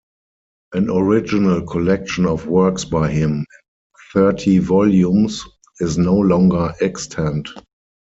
An original collection of works by him, in thirty volumes, is no longer extant.